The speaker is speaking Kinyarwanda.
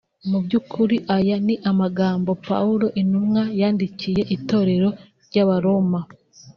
Mu by’ukuri aya ni amagambo Pawulo intumwa yandikiye itorero ry’abaroma